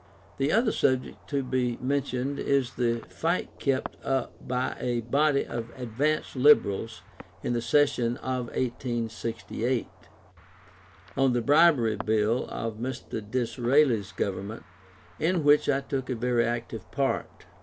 The other subject to be mentioned is the fight kept up by a body of advanced Liberals in the session of 1868, on the Bribery Bill of Mr. Disraeli's Government, in which I took a very active part.